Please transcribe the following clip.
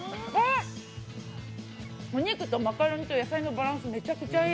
お肉とマカロニと野菜のバランス、めちゃくちゃいい！